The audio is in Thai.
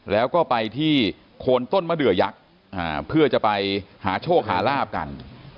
แล้วก็ไปที่โคนต้นมะเดือยักษ์เพื่อจะไปหาโชคหาลาบกัน